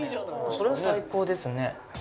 それは最高ですね。